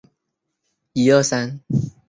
铜钹是一种常见的打击乐器。